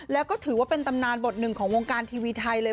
แล้วก็ถือว่าเป็นตำนานบทหนึ่งของวงการทีวีไทยเลย